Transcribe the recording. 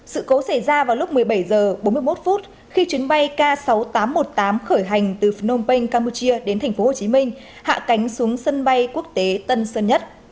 sự cố xảy ra vào lúc một mươi bảy h bốn mươi một khi chuyến bay k sáu nghìn tám trăm một mươi tám khởi hành từ phnom penh campuchia đến tp hcm hạ cánh xuống sân bay quốc tế tân sơn nhất